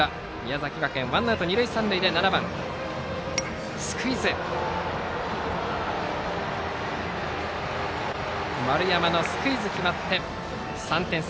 ５回の裏宮崎学園はワンアウト二塁三塁で７番丸山のスクイズが決まって３点差。